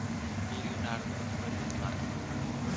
Leonardo e Maria Clara